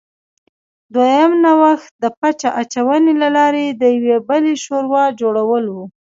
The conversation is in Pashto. دویم نوښت د پچه اچونې له لارې د یوې بلې شورا جوړول و